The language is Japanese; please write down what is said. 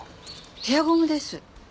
ヘアゴムです。